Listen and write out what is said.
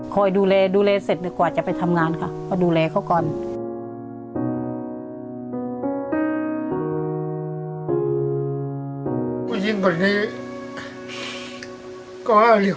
พูดจริงก่อนนี้